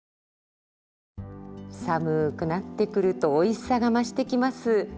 寒くなってくるとおいしさが増してきます。